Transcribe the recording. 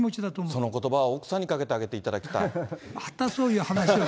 そのことばは奥さんにかけてあげていただきたい。